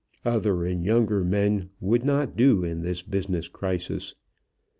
Other and younger men would not do in this business crisis.